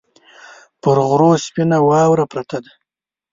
پر غرو سپینه واوره پرته وه